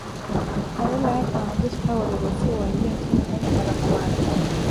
Badala yake wanajeshi hao waliruhusiwa waingie nchini humo mara kwa mara.